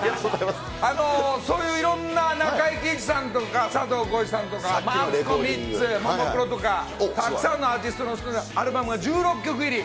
そういういろんな、中井貴一さんとか、佐藤浩市さんとか、ミッツ、ももクロとか、たくさんのアーティストの人のアルバムが１６曲入り。